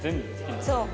そう。